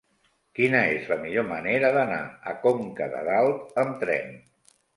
Quina és la millor manera d'anar a Conca de Dalt amb tren?